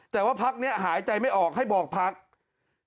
แต่ว่าภักดิ์นี้หายใจไม่ออกให้บอกภักดิ์